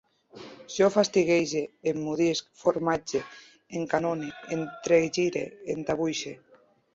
Jo fastiguege, emmudisc, formatge, encanone, entregire, entabuixe